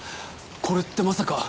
これってまさか。